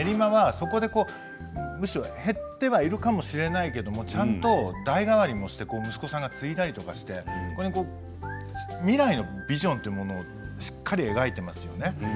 練馬はそこでむしろ減ってはいるかもしれないけれどちゃんと、代替わりもして息子さんが継いだりとかして未来のビジョンというものがしっかり描いてますよね。